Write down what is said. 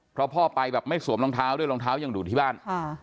เพราะพ่อไปแบบไม่สวมรองเท้าด้วยรองเท้ายังดูที่บ้าน